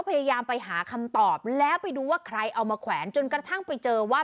พยายามไปหาคำตอบแล้วไปดูว่าใครเอามาแขวนจนกระทั่งไปเจอว่า